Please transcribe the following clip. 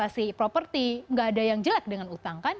nggak si properti nggak ada yang jelek dengan utang kan